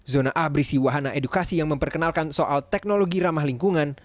zona a berisi wahana edukasi yang memperkenalkan soal teknologi ramah lingkungan